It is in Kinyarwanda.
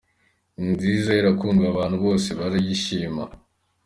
Ni nziza irakundwa abantu bose barayishima, .